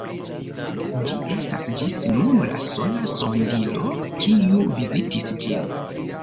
Ĝi estas ĝis nun la sola sondilo, kiu vizitis ĝin.